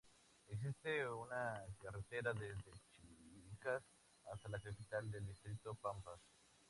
Existe una carretera desde Chilcas hasta la capital del distrito: Pampas.